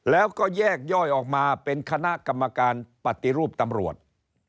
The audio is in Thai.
แล้วก็แยกย่อยออกมาเป็นคณะกรรมการปฏิรูปตำรวจ